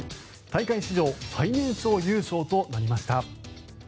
大会史上最年少優勝となりました。